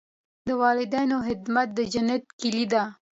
د والدینو خدمت د جنت کلي ده.